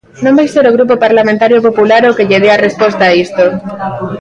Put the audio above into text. Non vai ser o Grupo Parlamentario Popular o que lle dea resposta a isto.